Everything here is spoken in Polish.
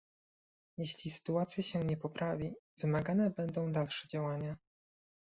Jeśli sytuacja się nie poprawi, wymagane będą dalsze działania